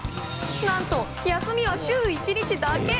何と休みは週１日だけ。